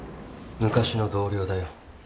昔の同僚だよ。